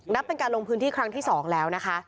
นับเป็นการลงพื้นที่ครั้งที่๒แล้วนะคะ